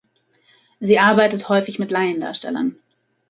Sie arbeitet häufig mit Laiendarstellern.